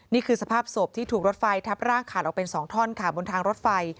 นี่คือสภาพศพที่ถูกรถไฟทับร่างขาดออกเป็น๒ท่อนค่ะบนทางรถไฟ